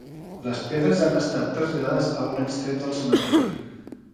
Les pedres han estat traslladades a un extrem del cementiri.